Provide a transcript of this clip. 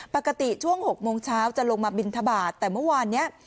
ปกติช่วง๖โมงเช้าจะลงมาบินทบาทแต่เมื่อวานนี้